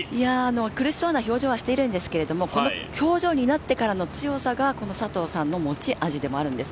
苦しそうな表情はしているんですけれども、この表情になってからの強さがこの佐藤さんの持ち味でもあるんです。